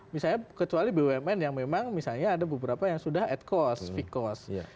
misalnya kecuali bumn yang memang misalnya ada beberapa yang sudah at cost fee cost